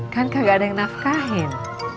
kan kagak ada yang nafkahin